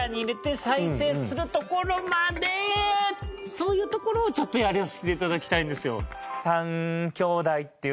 そういうところをちょっとやらせて頂きたいんですよ。